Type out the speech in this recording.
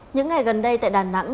những ngày gần đây tại đà nẵng